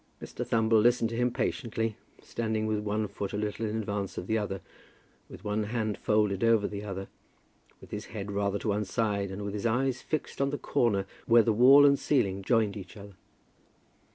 Mr. Thumble listened to him patiently, standing with one foot a little in advance of the other, with one hand folded over the other, with his head rather on one side, and with his eyes fixed on the corner where the wall and ceiling joined each other.